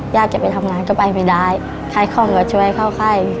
อยากจะไปทำงานก็ไปไม่ได้ไข้ของก็ช่วยเข้าไข้